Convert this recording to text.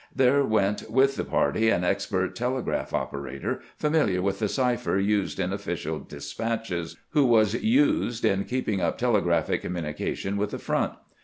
There went with the party an expert telegraph operator, famihar with the cipher used in official despatches, who was used in keep ing up telegraphic communication with the front.